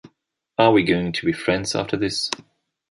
Are we going to be friends after this?